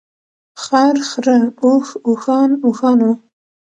خر، خره، اوښ ، اوښان ، اوښانو .